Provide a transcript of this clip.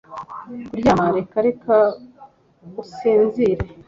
Kuryama reka reka usinzire